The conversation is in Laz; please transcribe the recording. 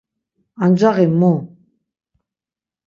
Ancaği mu?